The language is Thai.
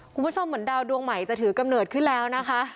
คุณผู้ชมเหมือนดาวดวงใหม่จะถือกำเนิดขึ้นแล้วนะคะ